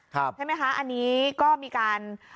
ใช่ไหมคะอันนี้ก็มีการ